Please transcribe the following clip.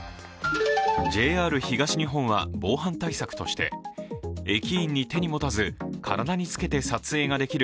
ＪＲ東日本は防犯対策として駅員に手に持たず体に着けて撮影ができる